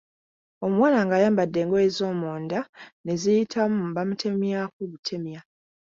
Omuwala ng’ayambadde engoye ez’omunda ne ziyitamu bamutemyako butemya.